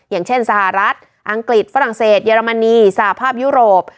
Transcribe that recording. อย่างเช่นสหรัฐอังกฤษฝรั่งเศสเยอรมนีสหภาพยุโรป